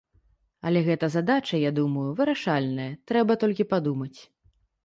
Але гэта задача, я думаю, вырашальная, трэба толькі падумаць.